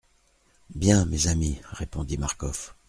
Bien, mes amis, répondit Marcof.